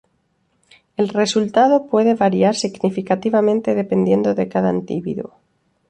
El resultado puede variar significativamente dependiendo de cada individuo.